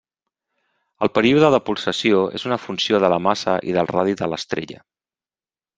El període de pulsació és una funció de la massa i del radi de l'estrella.